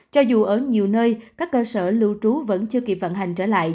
cho dù ở nhiều nơi các cơ sở lưu trú vẫn chưa kịp vận hành trở lại